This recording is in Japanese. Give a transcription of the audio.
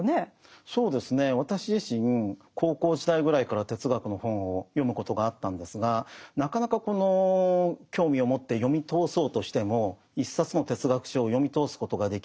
そうですね私自身高校時代ぐらいから哲学の本を読むことがあったんですがなかなかこの興味を持って読み通そうとしても一冊の哲学書を読み通すことができない。